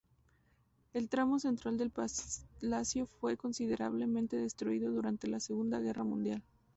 El tramo central del palacio fue considerablemente destruido durante la Segunda Guerra Mundial.